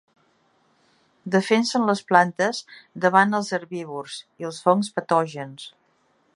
Defensen les plantes davant els herbívors i els fongs patògens.